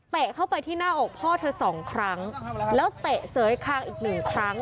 เข้าไปที่หน้าอกพ่อเธอสองครั้งแล้วเตะเสยคางอีกหนึ่งครั้ง